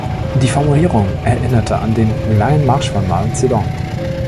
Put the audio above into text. Die Formulierung erinnerte an den "Langen Marsch" von Mao Zedong.